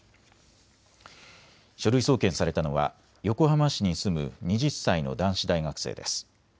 書類送検されたのは横浜市に住む２０歳の男子大学生です。